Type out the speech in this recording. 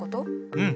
うん。